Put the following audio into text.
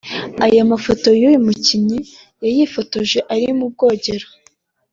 Aya mafoto uyu mukinnyi yayifotoje ari mu bwogero